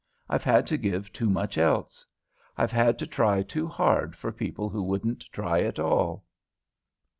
I've had to give too much else. I've had to try too hard for people who wouldn't try at all."